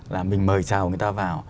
là mình mời chào người ta vào